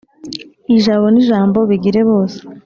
ijabo n’ ijambo bigire bose.